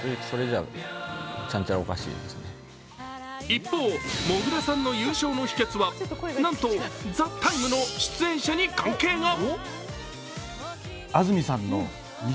一方、もぐらさんの優勝の秘けつは、なんと「ＴＨＥＴＩＭＥ，」の出演者に関係が。